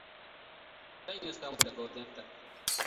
Zan iya samu daga wajen ta.